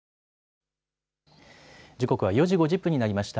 時刻は４時５０分になりました。